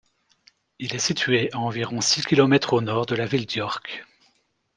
Il est situé à environ six kilomètres au nord de la ville d'York.